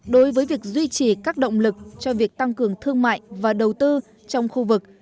đối với việc duy trì các động lực cho việc tăng cường thương mại và đầu tư trong khu vực